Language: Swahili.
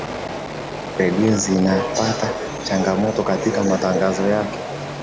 redio zinapata changamoto katika matangazo yake